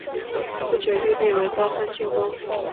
不久玉壁为高欢进攻。